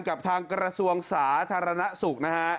กับทางกระทรวงสาธารณสุขนะฮะ